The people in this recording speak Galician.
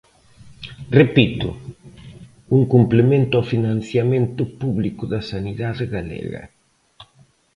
Repito: un complemento ao financiamento público da sanidade galega.